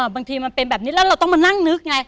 บางทีมันเป็นแบบนี้แล้วเราต้องมานั่งนึกไง